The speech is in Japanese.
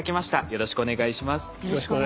よろしくお願いします。